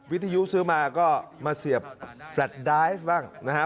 วิทยุซื้อมาก็มาเสียบแฟลตดายบ้างนะฮะ